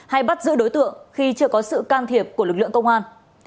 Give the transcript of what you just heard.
hay bắt giữ đối tượng khi chưa có sự can thiệp của lực lượng công an